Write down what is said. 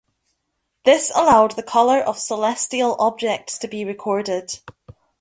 This allowed the color of celestial objects to be recorded.